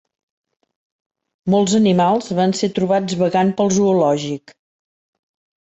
Molts animals van ser trobats vagant pel zoològic.